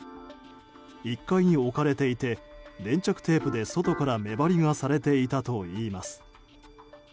１階に置かれていて粘着テープで外から目張りがされていたといいます。